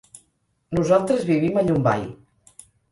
Nosaltres vivim a Llombai.